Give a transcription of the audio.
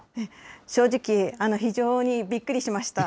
正直、非常にびっくりしました。